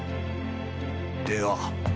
では。